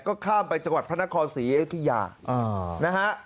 ก็ข้ามไปจังหวัดพระนครศรีอยุธยานะฮะ